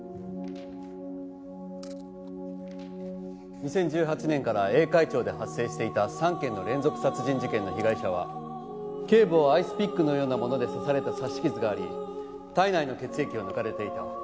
２０１８年から栄海町で発生していた３件の連続殺人事件の被害者は頸部をアイスピックのようなもので刺された刺し傷があり体内の血液を抜かれていた。